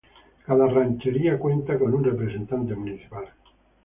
Cada ranchería cuenta un representante municipal.